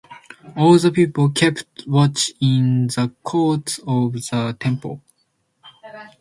All the people kept watch in the courts of the temple.